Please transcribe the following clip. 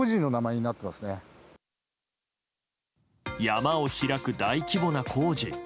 山を開く大規模な工事。